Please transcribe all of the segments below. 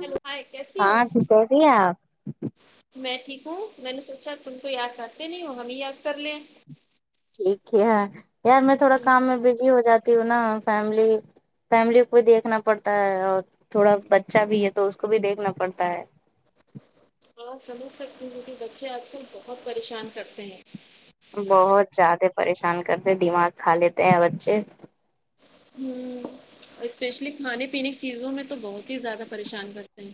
Hello hi کیسی ہوں ہاں ٹھیک کیسی ہیں آپ میں ٹھیک ہوں میں نے سوچا تم تو یاد کرتے نہیں ہو ہمیں یاد کر لیں ٹھیک ہے ہے یار میں تھوڑا ہم، کام میں بزی ہو جاتی ہوں نا فیملی فیملی کو بھی دیکھنا پڑتا ہے اور تھوڑا بچہ بھی ہے تو اس کو بھی دیکھنا پڑتا ہے آ سمجھ سکتی ہوں کہ بچے آج کل بہت پریشان کرتے ہیں بہت زیادہ پریشان کرتے دماغ کھا لیتے ہیں بچے ہمم اسپیشلی کھانے پینے کی چیزوں میں تو بہت ہی زیادہ پریشان کرتے ہیں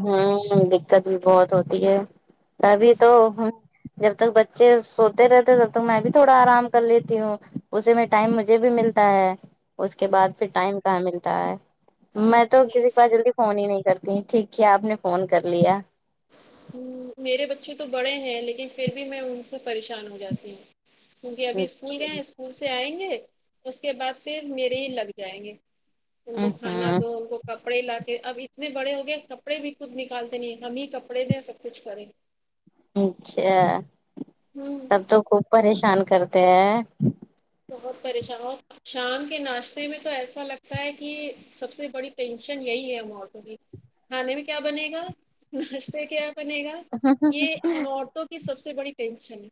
ہوں دقت بھی بہت ہوتی ہے ابھی تو جب تک بچے سوتے رہتے تب تک میں بھی تھوڑا آرام کر لیتی ہوں اسے میں ٹائم مجھے بھی مل تا ہے اس کے بعد پھر ٹائم کہاں ملتا ہے میں تو کسی کے پاس جلدی فون ہی نہیں کرتی ٹھیک ہے آپ نے فون کر لیا ہمم میرے بچے تو بڑے ہیں لیکن پھر بھی میں ان سے پریشان ہو جاتی ہوں کیونکہ ابھی اسکول اچھا گئے ہیں اسکول سے آئیں گے اس کے بعد پھر میرے ہی لگ جائیں گے ان کو ہ کھانا ہ دو ان کو کپڑے لا کے اب اتنے بڑے ہو گئے کپڑے بھی خود نکالتے نہیں ہم ہی کپ ڑے دے سب کچھ کرے اچھا ہوں تب تو خوب پریشان کرتے ہیں بہت پریشان شام کے ناشتے میں تو ایسا لگتا ہے کہ سب سے بڑی ٹینشن یہی ہے ہم عورتوں کی کھانے میں کیا بنے گا ناشتہ کیا بنے گا یہ ہم تو کی سب بڑی کئیشن ہے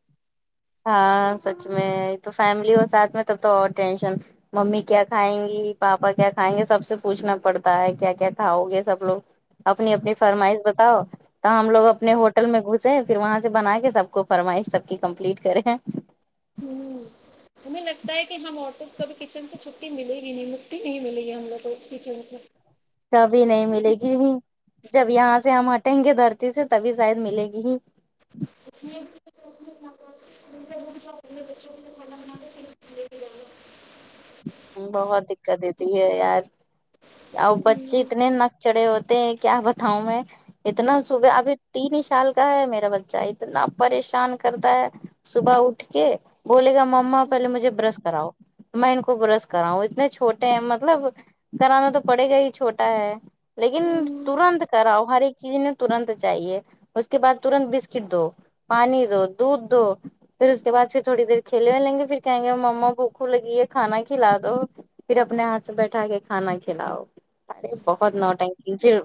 ہاں سچ میں یہ تو فیملی اور ساتھ میں تب تو اور ٹینشن ممی کیا کھائیں گی پاپا کیا کھائیں گے سب سے پوچھنا پڑتا ہے کیا کیا کھاؤ گے سب لوگ اپنی اپنی فرمائش بتاؤ تو ہم لوگ اپنے ہوٹل میں گھسے پھر وہاں سے بنا کے سب کو فرمائش سب کی کمپلیٹ کریں امم ہمیں لگتا ہے کہ ہم عورتوں کو کبھی کچن سے چھٹی ملے گی نہیں مکتی نہیں ملے گی ہم لو گو کو کچن سے کبھی نہیں ملے گی ہی جب یہاں سے ہم ہٹیں گے دھرتی سے تبھی شاید ملے گی ہی اسلیے اسکول میں بچوں کے لیے کھانا بناتے بہت دقت دیتی ہے یار آو بچے اتنے نک چڑھے ہوتے تے ہیں کیا بتاؤں میں اتنا صبح ابھی تین ہی سال کا ہے میرا بچہ اتنا پریشان کرتا ہے صبح اٹھ کے بولے گا مما پہلے مجھے برش کراؤ میں ان کو برش کراؤ اتنے چھوٹے ہیں مطلب کرانا تو پڑے گا ہی چھوٹا ہے لیکن ترنت کراؤ ہر ایک چیز نے ترنت چاہیے اس کے بعد ترنت بسکٹ دو پانی دو دودھ دو پھر اس کے بعد پھر تھوڑی دیر کھیلے ویلے گے پھر کہیں گے مما بوکھو لگی ہے کھانا کھ کھلا دو پھر اپنے ہاتھ سے بیٹھا کے کھانا کھلاؤ ارے بہت نوٹنکی پھر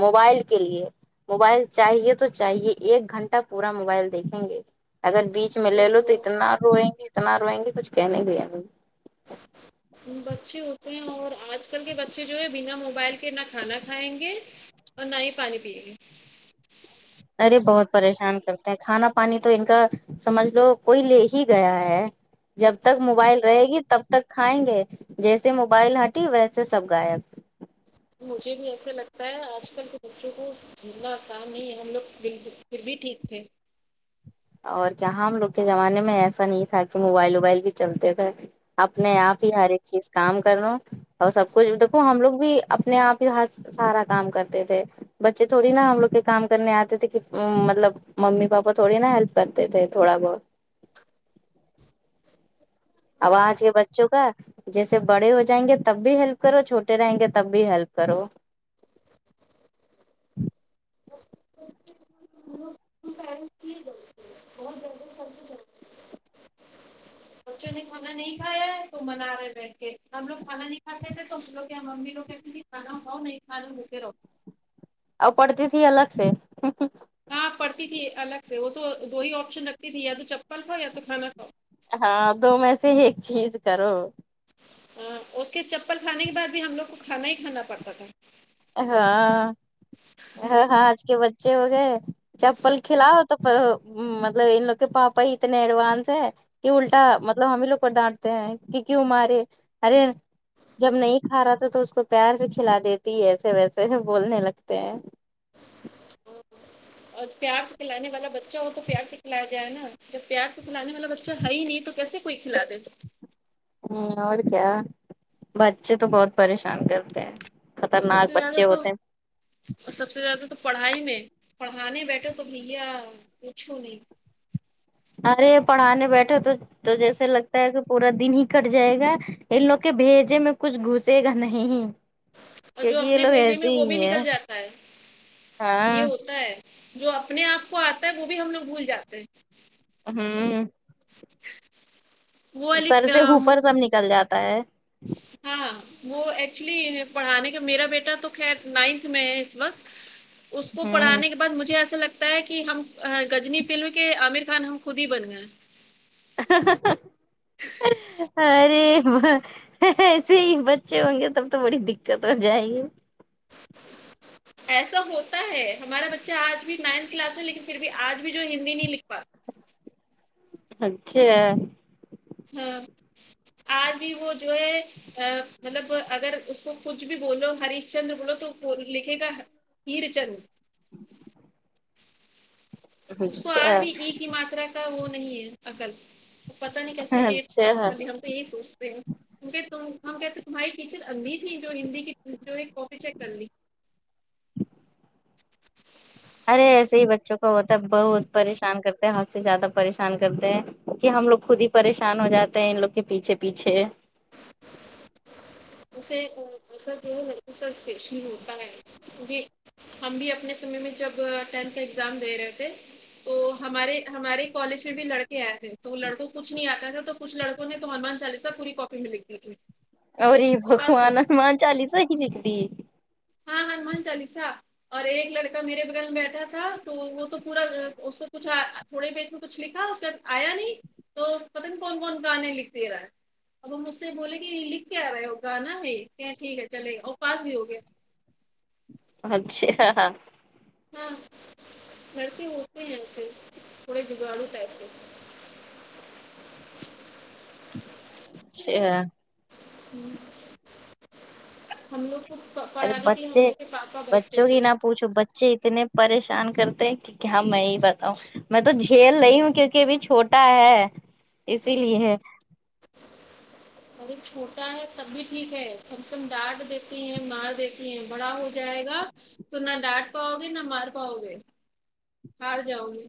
موبائل کے لیے موبائل چاہیے تو چاہیے ایک گھنٹہ پورا موبائل دیکھیں گے اگر بیچ میں لے لو تو اتنا روئیں گے اتنا روئیں گے کچھ کہنے بھی اگر بچے ہوتے ہیں اور آج کل کے بچے جو ہے بنا موبائل کے نہ کھانا کھائیں گے اور نہ ہی پانی پیے گیے ارے بہت پریشان کرتے ہیں کھانا پانی تو ان کا سمجھ لو کوئی لے ہی گیا ہے جب تک موبائل رہے گی تب تک کھائیں گے جیسے موبائل ہٹی ویسے سب گائب مجھے بھی ایسا لگتا ہے آج کل کے بچوں کو اتنا آسان نہیں ہے ہم لوگ پھر پھر بھی ٹھیک تھے اور کیا ہم لوگ کے زمانے میں ایسا نہیں تھا کہ موبائل وبائل بھی چلتے تھے اپنے آپ ہی ہر ایک چیز کام کر و اور سب کچھ دیکھو ہم لوگ بھی اپنے آپ ہی ہاتھ سارا کام کرتے تھے بچے تھوڑی نا ہم لوگ کے کام کرنے آتے تھے کہ مطلب ممی پاپا تھوڑی نا ہیلپ کرتے تھے تھوڑا بہت آواز یہ بچوں کا جیسے بڑے ہو جائیں گے تب بھی ہیلپ کرو چھوٹے رہیں گے تب بھی ہیلپ کرو پیرنٹس کی غلطی ہے بہت زیادہ سب کچھ غلط۔ بچوں نے کھانا نہیں کھا یا ہے تو منا رہا ہے بیٹھ کے ہم لو کھانا نہیں کھاتے تھے تو ہم لوگ کیا امی لوگ کہتے تھی کھانا کھاو نہیں کھایے تو بھوکے رہو آ پڑتی تھی الگ سے امم امم ہاں پڑتی تھی الگ سے وہ تو دو ہی آپشن رکھتی تھی یا تو چپل کھاؤ یا تو کھانا کھاؤ ہاں دو میں سے ایک چیز کرو ہاں اس کے چپل کھانے کے بعد بھی ہم لوگ کو کھانا ہی کھانا پڑتا تھا ہاں ہاں ہاں ہاں آج کے بچے ہو گئے ہے چپل کھلاؤ تو مطلب ان لوگ کے پاپا ہی اتنے ایڈوانس ہے کی الٹا مطلب ہم ہی لوگ کو ڈانٹتے ہیں کہ کیوں مارے ارے جب نہیں کھا رہا تھا تو اس کو پیار سے کھلا دے تی ایسے ویسے سب بولنے لگتے ہیں اور پیار سے کھلانے والا بچہ ہو تو پیار سےکھلایا جائے نا جب پیار سے کھلانے والا بچہ ہے ہی نہیں تو کیسے کوئی کھلا دے ہمم اور کیا بچے تو بہت پریشان کرتے ہیں اور سب خطرناک سے زیادہ بچے تو ہوتے ہیں اور سب سے زیادہ تو پڑھائی میں پڑھانے بیٹھے تو بھیا پوچھوں نہیں ارے پڑھانے بیٹھے تو تو جیسا لگتا ہے کہ پورا دن ہی کٹ جائے گا ان لوگ کے بھیجے میں کچھ گھسے گا نہیں اور جو کیونکہ یہ اپنے لوگ بھیجے میں ایسے وہ بھی ہی ہیں نکل جاتا ہے یہ ہاں ہوتا ہے جو اپنے آپ کو آتا ہے وہ بھی ہم لوگ بھول جاتے ہیں ھمم وہ والی سر سے آم، اوپر سب نکل جاتا ہے ہاں ہاں وہ ایکچولی پڑھانے کا میرا بیٹا تو خیر نائنتھ میں ہے اس وقت اس کو ہوں پڑھانے مجھے ایسا لگتا ہے کہ ہم ا گجنی فلم کے عامر خان ہم خود ہی بن گئے ارے ب ایسے ہی بچے ہوں گے تب تو بڑی دقت ہو جائےیں گی ایسا ہوتا ہے ہمارا بچہ آج بھی نائنتھ کلاس میں لیکن پھر بھی آج بھی جو ہندی نہیں لکھ پات اچھی ہے ہاں اج بھی وہ جو ہے ا مطلب اگر اس کو کچھ بھی بولو ہریش چندر بولو تو لکھے گا [unintelligible] اس کو آج اچھا بھی ی کی ماترا کا وہ نہیں ہے عقل پتا نہیں کیسے ایٹھ پاس اچھا کر لی ہم تو یہی سوچتے ہیں کی کہہ ت ہم کہتے تمہاری ٹیچر اندھی تھی جو ہندی کی جو ہے کاپی چیک کر لی ارے ایسے ہی بچوں کا ہوتا ہے بہت پریشان کر حد سے زیادہ پریشان کرتے ہیں کہ ہم لوگ خود ہی پریشان ہو جاتے ہیں ان لوگ کے پیچھے پیچھے اسے ایسا کہ ہے اسپیشل ہوتا ہے کیونکہ ہم بھی اپنے سمے میں جب ٹینتھ کا ایگزام دے رہے تھے تو ہمارے ہمارے کالج میں بھی لڑکے آئے تھے تو وہ لڑکوں کچھ نہیں آتا تھا تو کچھ لڑکوں نے تو ہنومان چالیس پوری کاپی میں لکھ دی تھی اوری پاس ہو بگوان ہومان چالی صحیح نکلی ہاں ہنومان چالیسا اور ایک لڑکا میرے بغل میں بیٹھا تھا تو وہ تو پورا اس تھوڑے پیج میں کچھ لکھا اس کےبعد آیا نہیں تو پتانئی کون کون گانے لکھ دے رہا ہے اب ہم اسے بولیں کہ یہ لکھ کیا آ رہے ہو گانا ہے کیا ٹھیک ہے چلے اور پاس بھی ہو گیا اچھا ہاں لڑکے ہوتے ہیں ایسے تھوڑے جگارون ٹائپ کے اچھا ہم لوگ کو ارے پڑاھنے کے لیے ہم بچے لوگ کے پاپا بیٹھتے بچوں کی تھے نہ پوچھو بچے اتنے پریشان کرتے ہیں کہ کیا میں یہ بتاؤں میں تو جھیل رہی ہوں کیونکہ ابھی چھوٹا ہے اسی لیے اگر چھوٹا ہے تب بھی ٹھیک ہے کم سے کم ڈانٹ دیتے ہے مار دیت تی ہے بڑا ہو جائے گا تو نہ ڈانٹ پاؤ گے نہ مار پاؤ گے ہار جاؤں گی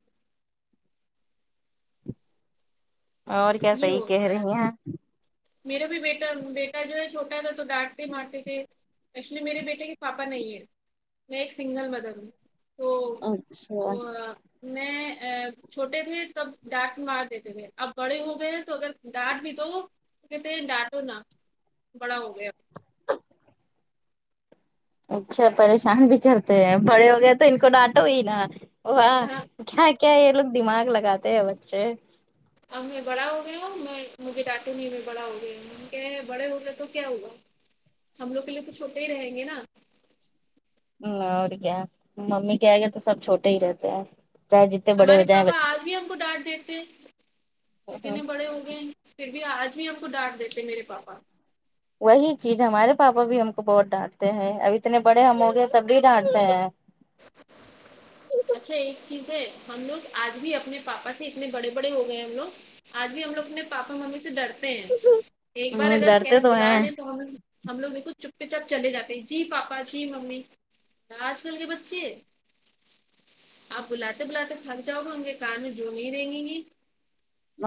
اور کیا یہ صحیح کہہ ہوتا ہے رہی ہیں میرا بھی بیٹا بیٹا جو ہے چھوٹا تھا تو ڈانٹتے مارتے تھے ایکچولی میرے بیٹے کے پاپا نہیں ہے میں ایک سنگل مدر ہوں تو اچھا و ا میں ا چھوٹے تھے تب ڈانٹ مار دیتے تھے اب بڑے ہو گئے ہیں تو اگر ڈانٹ بھی دو تو کہتے ہیں ڈانٹوں نا بڑا ہو گیا اچھا پریشان بھی کرتے ہیں بڑے ہو گئے تو ان کو ڈانٹو ہی نا وہ ہاں کیا کیا یہ لوگ دماغ لگاتے ہیں بچے اب میں بڑا ہو گیا ہوں میں مجھے ڈانٹو نہیں م بڑا ہوگیا بڑے ہوگیا تو کیا ہوا ہم لوگ کے لیے تو چھوٹے ہی رہیں گے نا اور کیا ممی کہ آگے تو سب چھوٹے ہی رہتے ہیں چاہے جتنے بڑے ہو ہمارے جائیں پاپا آج بچے بھی ہم کو ڈانٹ دیتے اتنے بڑے ہو گئے ہیں پھر بھی آج بھی ہم کو ڈانٹ دیتے میرے پاپا وہی چیز ہمارے پاپا بھی ہم کو بہت ڈانٹتے ہیں اب اتنے بڑے ہم ہو گے تب بھی ڈانٹتے ہیں اچھا ایک چیز ہے ہم لوگ آج بھی اپنے پاپا سے اتنے بڑے بڑے ہو گئے ہم لوگ آج بھی ہم لوگ اپنے پاپا ممی سے ڈرتے ہیں ایک بار ہ اگر ڈرتے کہے تو بلا ہیں لیں تو ہم ہم لوگ دیکھو چپے چاپ چلے جاتے ہیں جی پاپا جی ممی آج کل کے بچ چے آپ بلاتے بلاتے تھک جاؤ گے ان کے کان جو نہیں ریگیں گی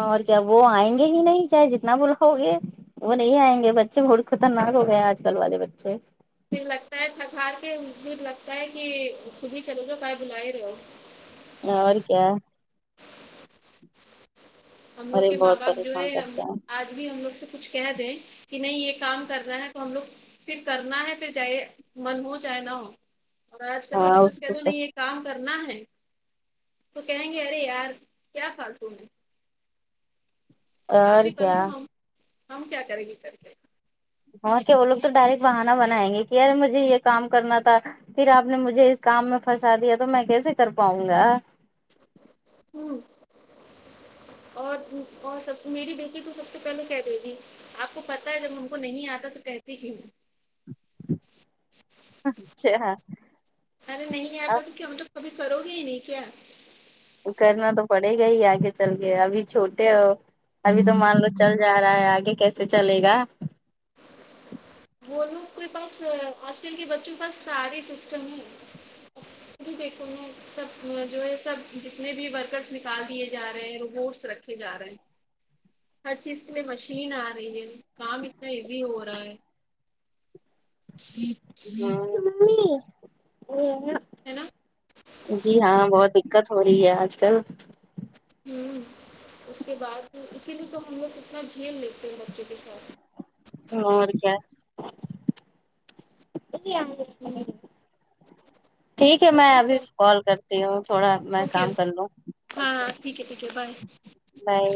اور کیا وہ آئیں گے ہی نہیں چاہے جتنا بلاؤ گے وہ نہیں آئیں گے بچے بڑے خطرناک ہو گئے آج کل والے بچے پھر لگتا ہے تھک ہار کے پھر لگتا ہے کہ خود ہی چلو جاؤ کاہے بولا رہے ہو اور کیا ہم لوگ ارے کے ماں بہت باپ جو ہے پریشان ہم کرتے ہیں آج بھی ہم لوگ سے کچھ کہ دیں کہ نہیں یہ کام کرنا ہے تو ہم لوگ پھر کرنا ہے پھر چاہیے من ہو چاہے نہ ہو اور آج کل کے ہاں بچوں اس سے کہہ کو دو نہیں ہے کام کرنا ہے تو کہیں گے ارے یار کیا فالتو میں آپ اور ہی کیا کرلو ہم ہم کیا کریں گے کر کے ہاں کیا وہ لوگ تو ڈائریکٹ بہانا بنائیں گے کہ یار مجھے یہ کام کرنا تھا پھر آپ نے مجھے اس کام میں پھنسا دیا تو میں کیسے کر پاؤں گا ہوں اور اور سب میری بیٹی تو سب سے پہلے کہہ دے گی آپ کو پتا ہے جب ان کو نہیں آتا تو کہتی کیوں ہے اچھا ارے نہیں آتا اب تو کیا مطلب کبھی کرو گے ہی نہیں کیا کرنا تو پڑے گا ہی آگے چل کے ابھی چھوٹے ہو ابھی تو مان لو چل جا رہا ہے آگے کیسے چلے گا وہ لوگ کے پاس آج کل کے بچوں کے پاس سارے سسٹم ہیں دیکھو ن سب جو ہے سب جتنے بھی ورکرس نکال دیے جا رہے ہیں روبٹس رکھے جا رہے ہیں ہر چیز کے لیے مشین آ رہی ہے کام اتنا ایزی ہو رہا ہے ہے نا جی ہاں بہت ہی دقت ہو رہی ہے آج کل امم اس کے بعد اسی لیے تو ہم لوگ اتنا جھیل لیتے ہیں بچوں کے ساتھ ہاں اور کیا ہے ٹھیک ہے میں پتہ ابھی نہیں کال کر تی ہو لیو تھوڑا میں اوکے کام کر لوں ہاں ہاں ٹھیک ہے ٹھیک ہے بائے میں